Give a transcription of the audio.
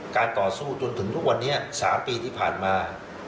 ต่อสู้จนถึงทุกวันนี้๓ปีที่ผ่านมา